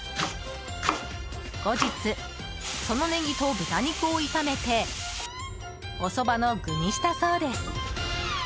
後日、そのネギと豚肉を炒めておそばの具にしたそうです。